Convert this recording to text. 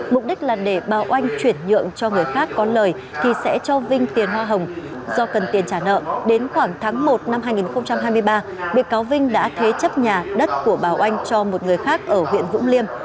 mục đích là để bà oanh chuyển nhượng cho người khác có lời thì sẽ cho vinh tiền hoa hồng do cần tiền trả nợ đến khoảng tháng một năm hai nghìn hai mươi ba bị cáo vinh đã thế chấp nhà đất của bà oanh cho một người khác ở huyện vũng liêm